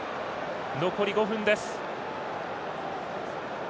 残り５分です。